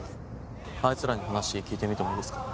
あいつらに話聞いてみてもいいですか？